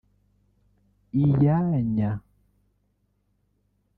Iyanya